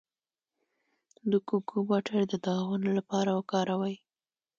د کوکو بټر د داغونو لپاره وکاروئ